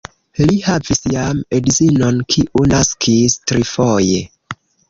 Li havis jam edzinon, kiu naskis trifoje.